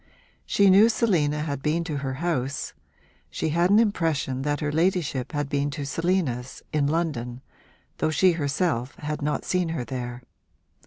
She knew Selina had been to her house; she had an impression that her ladyship had been to Selina's, in London, though she herself had not seen her there.